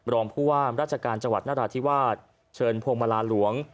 รองผู้ว่ามราชการจังหวัดนราธิวาสเชิญพวงมาลาหลวง